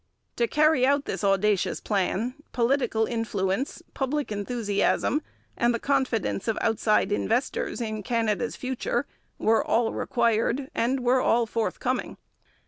To carry out this audacious plan, political influence, public enthusiasm, and the confidence of outside investors in Canada's future were all required and were all forthcoming.